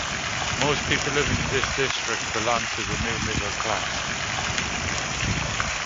Most people living in this district belong to the new middle class.